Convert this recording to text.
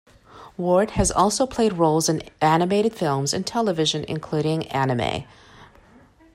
Ward has also played roles in animated films in television including anime.